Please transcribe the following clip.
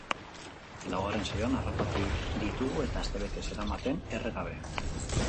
Laugarren saioan harrapatu ditugu eta astebete zeramaten erre gabe.